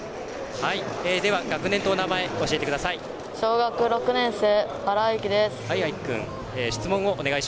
学年とお名前、教えてください。